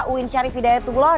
uwin syarif hidayatullah